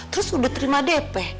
terus udah terima dp